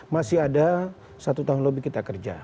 masih ada satu tahun lebih kita kerja